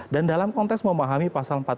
dan dalam konteks memahami pasal empat puluh lima